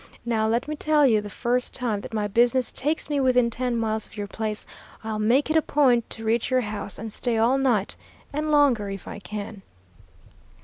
Now, let me tell you the first time that my business takes me within ten miles of your place I'll make it a point to reach your house and stay all night, and longer if I can.'